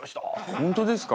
本当ですか？